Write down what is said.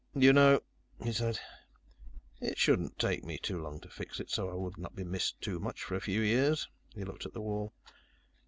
"You know," he said, "it shouldn't take me too long to fix it so I would not be missed too much for a few years." He looked at the wall.